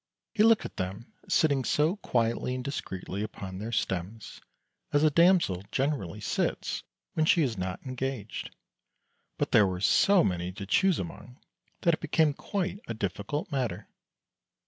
He looked at them, sitting so quietly and discreetly upon their stems, as a damsel generally sits when she is not engaged ; but there were so many to choose among, that it became quite a difficult matter.